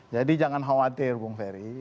jadi jangan khawatir bu ferry